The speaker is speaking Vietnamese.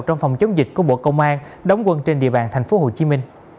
trong phòng chống dịch của bộ công an đóng quân trên địa bàn tp hcm